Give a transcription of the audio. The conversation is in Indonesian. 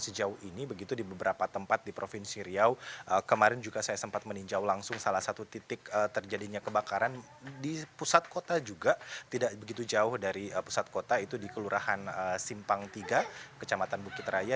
sejauh ini begitu di beberapa tempat di provinsi riau kemarin juga saya sempat meninjau langsung salah satu titik terjadinya kebakaran di pusat kota juga tidak begitu jauh dari pusat kota itu di kelurahan simpang tiga kecamatan bukit raya